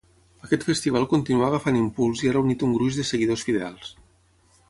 Aquest festival continuar agafant impuls i ha reunit un gruix de seguidors fidels.